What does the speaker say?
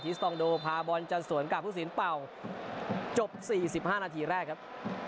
สตองโดพาบอลจันสวนกับผู้สินเป่าจบ๔๕นาทีแรกครับ